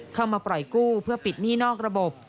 เข้ามาปล่อยกู้เพื่อปิดหนี้นอกระบบ